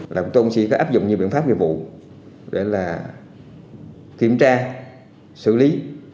lòng tôi cũng sẽ có áp dụng nhiều biện pháp về vụ để là kiểm tra xử lý